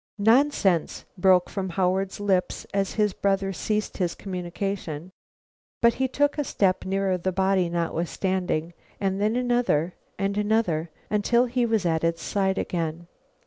"Nonsense!" broke from Howard's lips as his brother ceased his communication; but he took a step nearer the body, notwithstanding, and then another and another till he was at its side again.